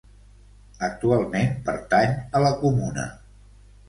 Actualment pertany a la comuna.